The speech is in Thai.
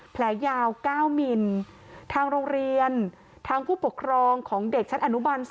แผลยาว๙มิลทางโรงเรียนทางผู้ปกครองของเด็กชั้นอนุบัน๒